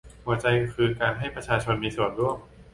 หัวใจคือการให้ประชาชนมีส่วนร่วม